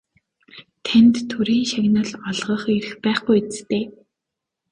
Танд Төрийн шагнал олгох эрх байхгүй биз дээ?